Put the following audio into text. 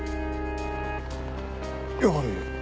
やはり。